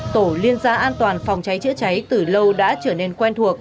tổ liên gia an toàn phòng cháy chữa cháy từ lâu đã trở nên quen thuộc